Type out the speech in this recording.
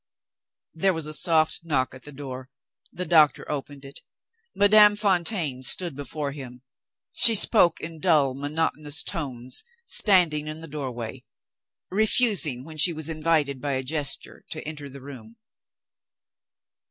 There was a soft knock at the door. The doctor opened it. Madame Fontaine stood before him. She spoke in dull monotonous tones standing in the doorway; refusing, when she was invited by a gesture, to enter the room.